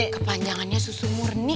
kepanjangannya susu murni